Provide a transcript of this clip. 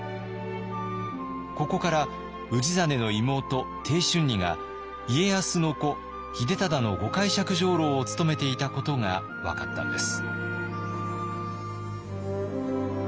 ここから氏真の妹貞春尼が家康の子秀忠の御介錯上を務めていたことが分かったんです。